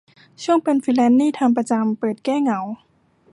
ช่วงเป็นฟรีแลนซ์นี่ทำประจำ เปิดแก้เหงา